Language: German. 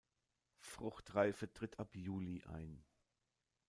Fruchtreife tritt ab Juli ein.